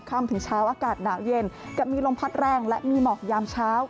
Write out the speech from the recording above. ค่ำถึงเช้าอากาศหนาวเย็นกับมีลมพัดแรงและมีหมอกยามเช้า